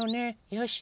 よし。